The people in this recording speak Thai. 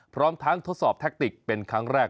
พร้อมทั้งทดสอบแทคติกเป็นครั้งแรก